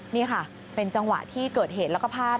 นี่ค่ะเป็นจังหวะที่เกิดเหตุแล้วก็ภาพ